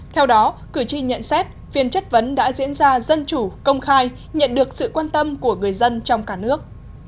theo đó cử tri nhận xét phiên chất vấn đã diễn ra dân chủ công khai nhận được sự quan tâm của người dân trong cả nước